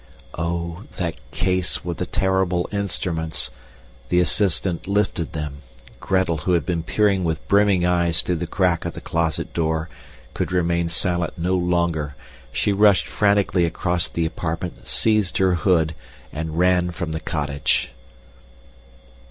Oh, that case with the terrible instruments! The assistant lifted them. Gretel, who had been peering with brimming eyes through the crack of the closet door, could remain silent no longer. She rushed frantically across the apartment, seized her hood, and ran from the cottage.